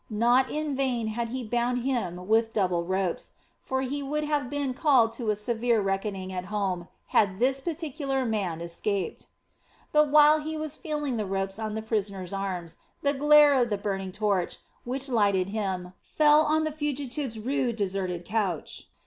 Not in vain had he bound him with double ropes; for he would have been called to a severe reckoning at home had this particular man escaped. But while he was feeling the ropes on the prisoner's arms, the glare of the burning torch, which lighted him, fell on the fugitive's rude, deserted couch.